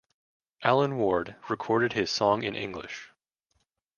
Alan Ward recorded his song in English.